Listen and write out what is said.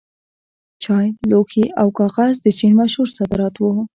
چای، لوښي او کاغذ د چین مشهور صادرات وو.